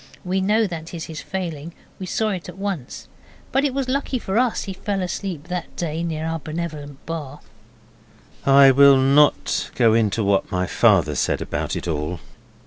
We know that is his failing. We saw it at once. But it was lucky for us he fell asleep that day near our benevolent bar. I will not go into what my father said about it all.